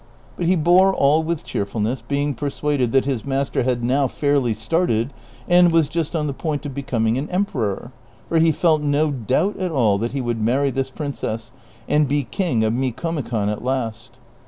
But he bore all with cheerfulness, being persuaded that his master had now fairly started and was just on the point of becoming an emperor ; for he felt no doubt at all that he would marry this princess, and be king of Micomi con at least.